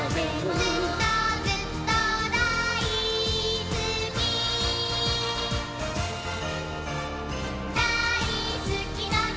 「ずっとずっとだいすき」「だいすきの木」